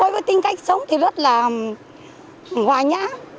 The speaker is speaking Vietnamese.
với tính cách sống thì rất là hoài nhã